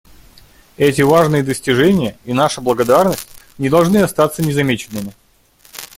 Эти важные достижения — и наша благодарность — не должны остаться незамеченными.